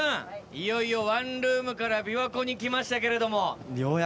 いよいよワンルームから琵琶湖に来ましたけれども。